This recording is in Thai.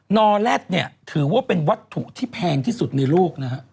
นอแลตเนี่ยถือว่าเป็นวัตถุที่แพงที่สุดในโลกนะฮะ